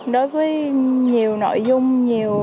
đối với nhiều nội dung nhiều